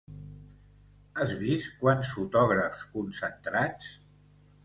Has vist quants fotògrafs concentrats!